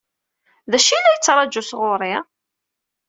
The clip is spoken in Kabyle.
D acu i la yettṛaǧu sɣur-i?